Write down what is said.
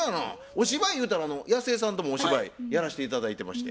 お芝居ゆうたらやすえさんともお芝居やらして頂いてまして。